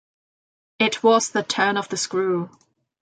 It was 'The Turn of the Screw.